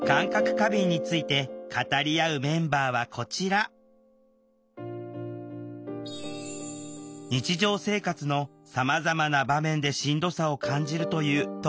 過敏について語り合うメンバーはこちら日常生活のさまざまな場面でしんどさを感じるという当事者３人。